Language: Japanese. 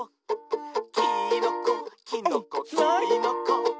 「きーのこきのこきーのこ」